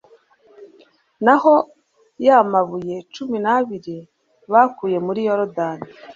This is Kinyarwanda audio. naho ya mabuye cumi n'abiri bakuye muri yorudani